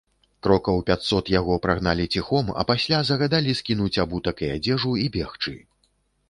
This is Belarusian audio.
Крокаў пяцьсот яго прагналі ціхом, а пасля загадалі скінуць абутак і адзежу і бегчы.